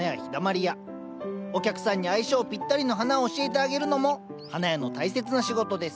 お客さんに相性ぴったりの花を教えてあげるのも花屋の大切な仕事です